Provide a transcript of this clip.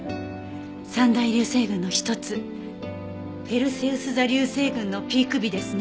三大流星群の一つペルセウス座流星群のピーク日ですね。